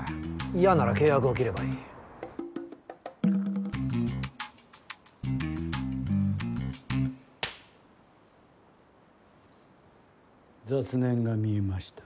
嫌なら契約を切れ雑念が見えました。